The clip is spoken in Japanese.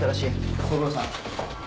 ご苦労さん。